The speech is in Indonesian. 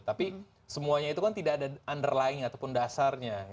tapi semuanya itu kan tidak ada underlying ataupun dasarnya